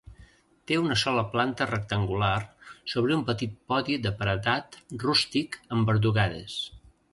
Té una sola planta rectangular sobre un petit podi de paredat rústic amb verdugades.